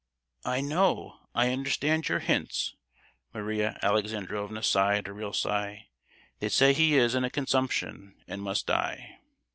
"I know, I understand your hints." Maria Alexandrovna sighed a real sigh. "They say he is in a consumption, and must die.